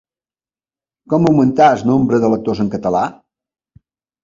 Com augmentar el nombre de lectors en català?